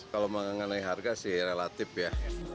kalau mengenai harga sih relatif ya